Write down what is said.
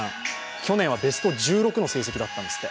去年はベスト１６の成績だったんですって。